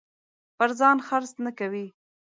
پر ځان خرڅ نه کوي.